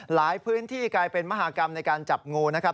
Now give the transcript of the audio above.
หลายพื้นที่กลายเป็นมหากรรมในการจับงูนะครับ